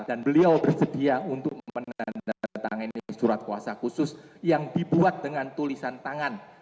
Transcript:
dan beliau bersedia untuk memenandatangani surat kuasa khusus yang dibuat dengan tulisan tangan